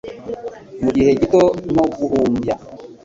mu gihe gito nko guhumbya